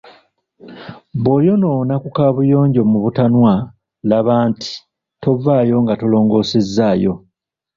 Bw‘oyonoona kabuyonjo mu butanwa, laba nti tovaayo nga tolongoosezaayo.